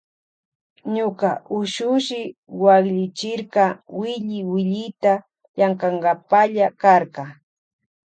Ñuka ushushi waklichirka willi willita llankankapalla karka.